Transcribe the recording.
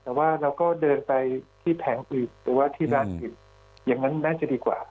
แต่ว่าเราก็เดินไปที่แผงอื่นหรือว่าที่ร้านอื่นอย่างนั้นน่าจะดีกว่า